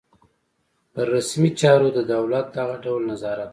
پر رسمي چارو د دولت دغه ډول نظارت.